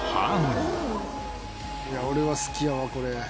「いや俺は好きやわこれ」